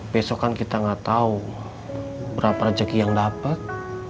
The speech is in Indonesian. besok kan kita gak tau berapa rezeki yang dapet